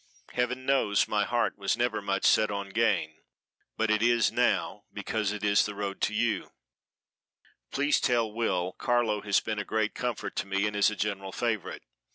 Heaven knows my heart was never much set on gain, but it is now because it is the road to you. Please tell Will Carlo has been a great comfort to me and is a general favorite.